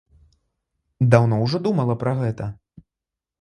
Даўно ўжо думала пра гэта?!